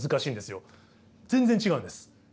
全然違うんです。